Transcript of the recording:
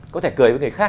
có thể cười với người khác